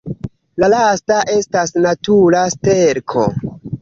La lasta estas natura sterko.